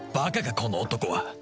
この男は。